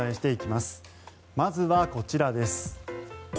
まずはこちらです。